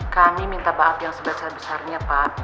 kami minta maaf yang sebesar besarnya pak